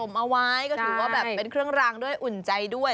เอาไว้ก็ถือว่าแบบเป็นเครื่องรางด้วยอุ่นใจด้วย